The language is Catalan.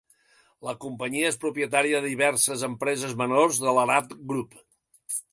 La companyia és propietària de diverses empreses menors de l'"Arad Group".